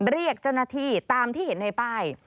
เรียกเจ้าหน้าที่ตามที่เห็นในป้าย